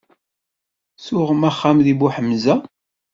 Tuɣem axxam deg Buḥemza?